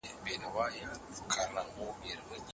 تاریخي معلومات پکې شته.